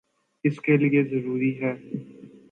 اس کے لئیے ضروری ہے